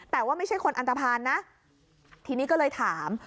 แต่ว่าไม่ใช่คนอันตภัณฑ์นะทีนี้ก็เลยถาม